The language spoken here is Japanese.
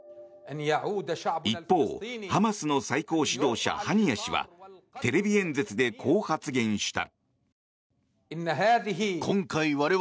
一方ハマスの最高指導者ハニヤ氏はテレビ演説でこう発言した。